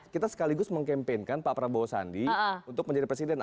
kita sekaligus mengkampenkan pak prabowo sandi untuk menjadi presiden